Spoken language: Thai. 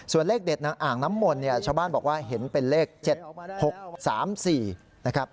ส่วนเลขเด็ดอ่างน้ำมนต์ชาวบ้านบอกว่าเห็นเป็นเลข๗๖๓๔